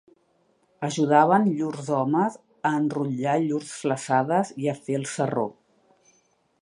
Ajudaven llurs homes a enrotllar llurs flassades i a fer el sarró.